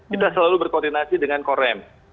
kita selalu berkoordinasi dengan korem